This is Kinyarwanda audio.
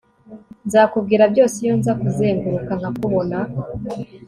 Nzakubwira byose iyo nza kuzenguruka nkakubona